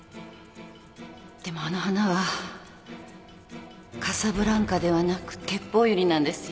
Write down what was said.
でもあの花はカサブランカではなくテッポウユリなんですよ。